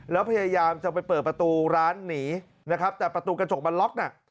แล้วพยายามจะไปเปิดประตูร้านหนีนะครับแต่ประตูกระจกมันล็อกน่ะ